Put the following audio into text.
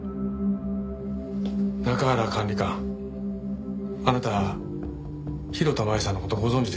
中原管理官あなた広田舞さんの事ご存じですよね？